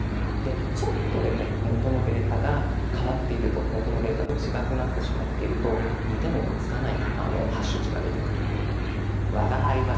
ちょっとでももとのデータが変わっているともとのデータと違くなってしまっていると似ても似つかないハッシュ値が出てくる。